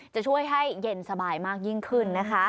จะช่วยให้เย็นสบายมากยิ่งขึ้นนะคะ